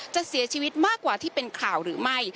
จะเสียชีวิตมากกว่าที่เป็นข่าวหรือไม่